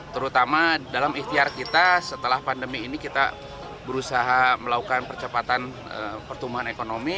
terutama dalam ikhtiar kita setelah pandemi ini kita berusaha melakukan percepatan pertumbuhan ekonomi